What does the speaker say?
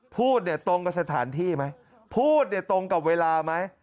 พูดตรงกับสถานที่ไหมพูดตรงกับเวลาไหม